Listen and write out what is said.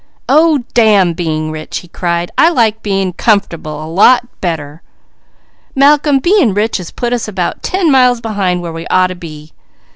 "Oh damn being rich!" he cried. "I like being comfortable a lot better! Malcolm, being rich has put us about ten miles behind where we ought to be.